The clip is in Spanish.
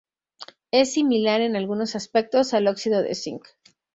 Es similar en algunos aspectos al óxido de zinc.